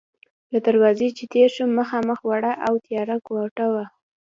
له دروازې چې تېر شوم، مخامخ وړه او تیاره کوټه وه.